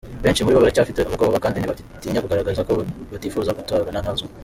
Benshi muri bo baracyafite ubwoba kandi ntibatinya kugaragaza ko batifuza guturana nazo.